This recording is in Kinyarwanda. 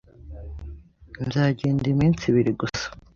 Nzagenda iminsi ibiri gusa.